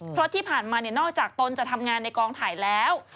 เพราะที่ผ่านมานอกจากตนจะทำงานในกองถ่ายแล้ว